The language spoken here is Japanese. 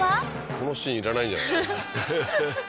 このシーンいらないんじゃない？